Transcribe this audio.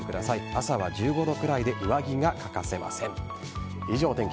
朝は１５度くらいで上着が欠かせません。